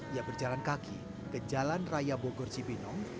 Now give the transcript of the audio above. ia berjalan kaki ke jalan raya bogor cibinong